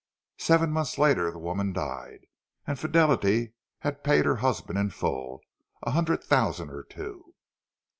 Seven months later the woman died, and the Fidelity had paid her husband in full—a hundred thousand or two!